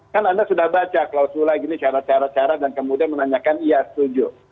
kan anda sudah baca klausul lagi ini cara cara cara dan kemudian menanyakan iya setuju